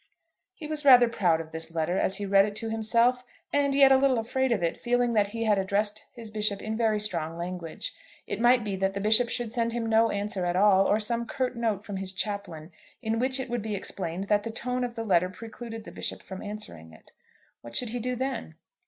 He was rather proud of this letter as he read it to himself, and yet a little afraid of it, feeling that he had addressed his Bishop in very strong language. It might be that the Bishop should send him no answer at all, or some curt note from his chaplain in which it would be explained that the tone of the letter precluded the Bishop from answering it. What should he do then?